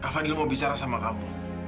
fadil mau bicara sama kamu